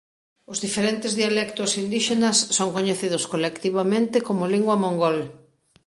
Os diferentes dialectos indíxenas son coñecidos colectivamente como lingua mongol.